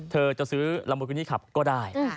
เธอจะซื้อละมุดกรุณีขับก็ได้